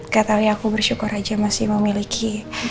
katanya aku bersyukur aja masih memiliki